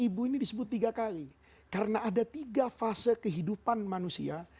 tetapi nanti seiring dengan perjalanan manusia itu akan menjadi tiga fase kehidupan manusia